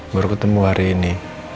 baru ketemu hari ini